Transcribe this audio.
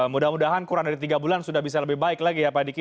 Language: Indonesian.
mudah mudahan kurang dari tiga bulan sudah bisa lebih baik lagi ya pak diki